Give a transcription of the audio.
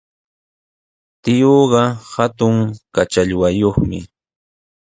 Tiyuuqa hatun kachallwayuqmi.